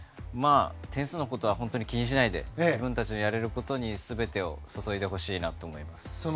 点数のことは気にしないで自分たちのやれることに全てを注いでほしいと思います。